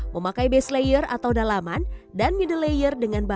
memakai base layer atau dalaman dan middle layer dengan bahan